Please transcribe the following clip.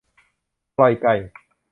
ปล่อยไก่